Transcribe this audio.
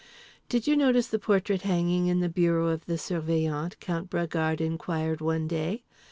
"Did you notice the portrait hanging in the bureau of the Surveillant?" Count Bragard inquired one day.